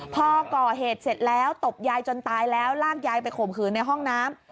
พอก่อเหตุเสร็จแล้วตบยายจนตายแล้วลากยายไปข่มขืนในห้องน้ำ